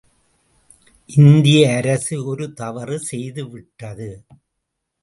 இந்திய அரசு ஒரு தவறு செய்துவிட்டது.